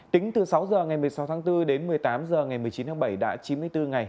tính từ sáu h ngày một mươi sáu tháng bốn đến một mươi tám h ngày một mươi chín tháng bảy đã chín mươi bốn ngày